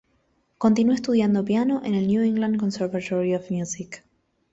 Continuó estudiando piano en el New England Conservatory of Music.